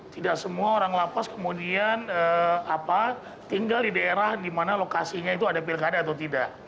tidak semua orang lapas kemudian tinggal di daerah di mana lokasinya itu ada pilkada atau tidak